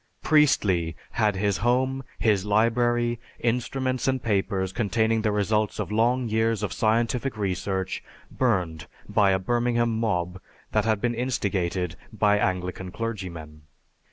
Priestley had his home, his library, instruments, and papers containing the results of long years of scientific research burned by a Birmingham mob that had been instigated by Anglican clergymen.